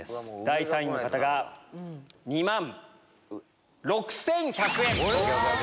第３位の方が２万６１００円。